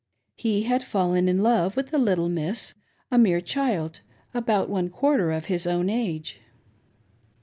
He had fallen in love with a little miss — a mere child, about one quarter of his own age.